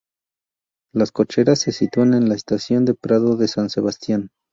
Las cocheras se sitúan en la estación de Prado de San Sebastián.